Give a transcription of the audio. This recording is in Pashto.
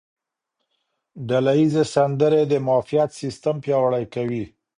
ډله ییزې سندرې د معافیت سیستم پیاوړی کوي.